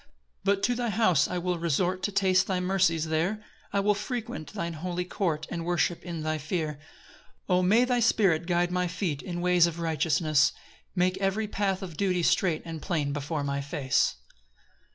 4 But to thy house will I resort, To taste thy mercies there; I will frequent thine holy court, And worship in thy fear. 5 O may thy Spirit guide my feet In ways of righteousness! Make every path of duty straight And plain before my face. PAUSE.